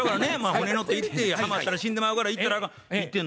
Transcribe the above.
船乗って行ってはまったら死んでまうから行ったらあかん。